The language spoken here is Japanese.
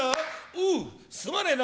おっすまねえな